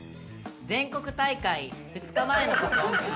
全国大会２日前のこと。